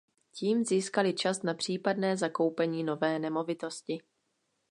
Tím získali čas na případné zakoupení nové nemovitosti.